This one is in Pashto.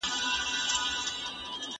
صنعتي کاروبار څنګه د منابعو مدیریت کوي؟